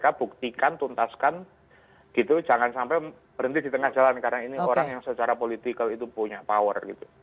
kita buktikan tuntaskan gitu jangan sampai berhenti di tengah jalan karena ini orang yang secara politikal itu punya power gitu